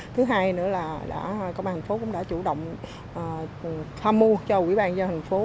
thứ hai nữa là các bàn thành phố cũng đã chủ động tham mưu cho quỹ bàn do thành phố